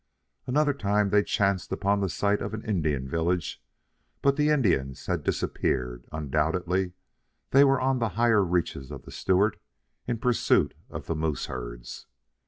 Another time they chanced upon the site of an Indian village, but the Indians had disappeared; undoubtedly they were on the higher reaches of the Stewart in pursuit of the moose herds.